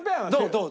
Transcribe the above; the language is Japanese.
どう？